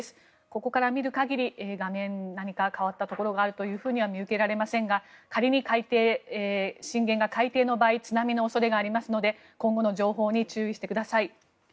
ここから見る限り、画面何か変わったところがあるとは見受けられませんが仮に震源が海底の場合津波の恐れがありますので今後の情報に注意してください。